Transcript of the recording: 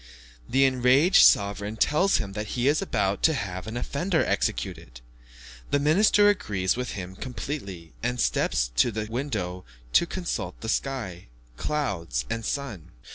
The enraged sovereign tells him that he is about to have an offender executed. The minister agrees with him completely, and steps to the window to consult the sky, clouds, and sun.